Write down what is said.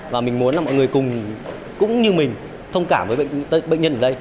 và mình muốn là mọi người cùng cũng như mình thông cảm với bệnh nhân ở đây